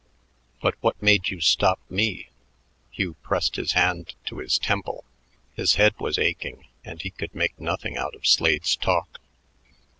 "But what made you stop me?" Hugh pressed his hand to his temple. His head was aching, and he could make nothing out of Slade's talk.